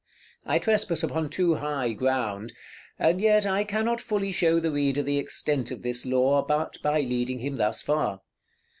I trespass upon too high ground; and yet I cannot fully show the reader the extent of this law, but by leading him thus far.